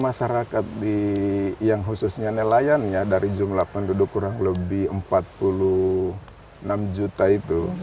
masyarakat yang khususnya nelayannya dari jumlah penduduk kurang lebih empat puluh enam juta itu